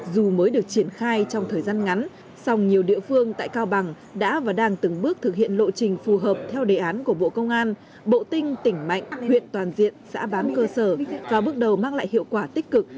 dù mới được triển khai trong thời gian ngắn song nhiều địa phương tại cao bằng đã và đang từng bước thực hiện lộ trình phù hợp theo đề án của bộ công an bộ tinh tỉnh mạnh huyện toàn diện xã bám cơ sở và bước đầu mang lại hiệu quả tích cực